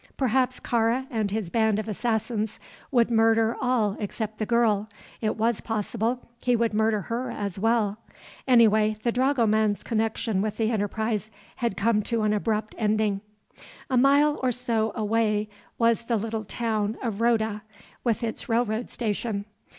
Perhaps Kāra and his band of assassins would murder all except the girl; it was possible he would murder her as well. Anyway, the dragoman's connection with the enterprise had come to an abrupt ending. A mile or so away was the little town of Roda, with its railway station.